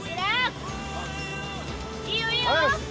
いいよいいよ。